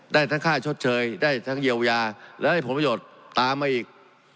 ได้ทั้งค่าชดเชยได้ทั้งเยียวยาและได้ผลประโยชน์ตามมาอีก